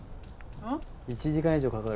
１時間以上かかる。